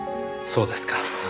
そうですか。